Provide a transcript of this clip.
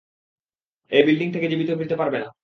এই বিল্ডিং থেকে জীবিত ফিরতে পারবে না।